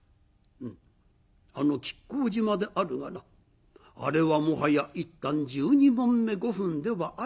うんあの亀甲縞であるがなあれはもはや１反１２匁５分では相成らん。